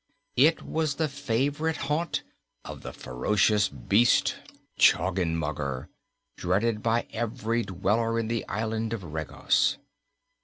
It was the favorite haunt of the ferocious beast Choggenmugger, dreaded by every dweller in the Island of Regos.